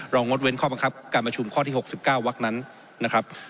งดเว้นข้อบังคับการประชุมข้อที่๖๙วักนั้นนะครับ